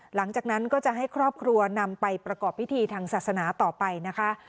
หลังจากนั้นก็จะให้ครอบครัวนำไปประกอบพิธีทางศาสนาต่อไปนะคะ